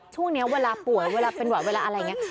ช่วงนี้เวลาป่วยเวลาเป็นหวัดเวลาอะไรอย่างนี้